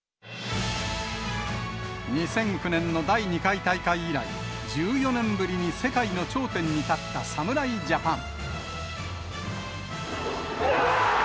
２００９年の第２回大会以来、１４年ぶりに世界の頂点に立った侍ジャパン。